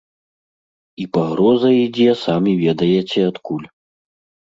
І пагроза ідзе самі ведаеце адкуль.